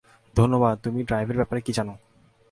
ধন্যবাদ তুমি ড্রাইভ এর ব্যাপারে কি জানো?